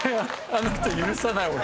あの人許さない俺！